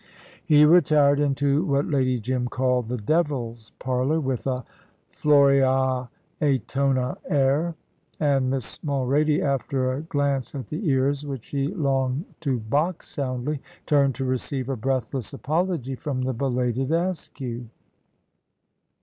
He retired into what Lady Jim called the "devil's parlour" with a Floreat Etona air, and Miss Mulrady, after a glance at the ears which she longed to box soundly, turned to receive a breathless apology from the belated Askew.